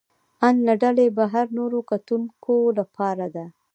ان له ډلې بهر نورو کتونکو لپاره ده.